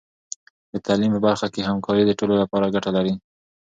د تعلیم په برخه کې همکاري د ټولو لپاره ګټه لري.